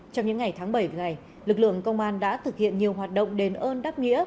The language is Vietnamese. trong những ngày tháng bảy ngày lực lượng công an đã thực hiện nhiều hoạt động đền ơn đáp nghĩa